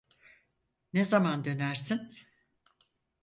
Ne zaman dönersin?